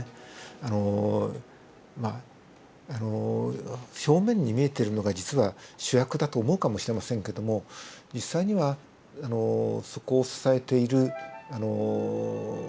あのまあ表面に見えてるのが実は主役だと思うかもしれませんけども実際にはそこを支えている縁の下の力持ちっていうか。